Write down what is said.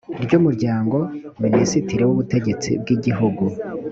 ry umuryango minisitiri w ubutegetsi bw igihugu